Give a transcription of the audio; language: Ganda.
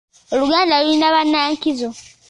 Oluganda lulina bannankizo?